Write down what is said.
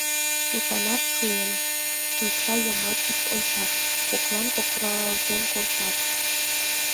Мутланат шуэн, шинча йымачышт ончат, коклан кокыралтен колтат.